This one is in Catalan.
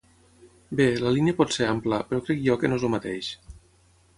Bé, la línia pot ser ampla, però crec jo que no és el mateix.